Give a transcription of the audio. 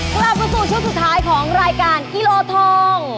กลับมาสู่ชุดสุดท้ายของรายการกิโลทอง